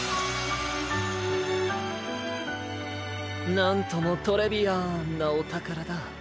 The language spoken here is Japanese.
なんともトレビアンなおたからだ。